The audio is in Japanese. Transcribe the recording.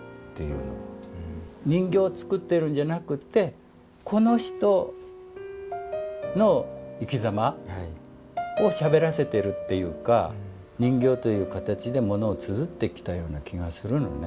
人形を作ってるんじゃなくてこの人の生きざまをしゃべらせてるっていうか人形という形でものをつづってきたような気がするのね。